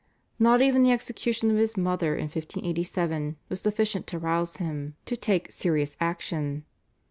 Not even the execution of his mother in 1587 was sufficient to rouse him to take serious action.